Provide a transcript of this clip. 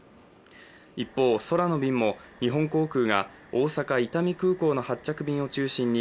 一方、空の便も日本航空が大阪・伊丹空港の発着便を中心に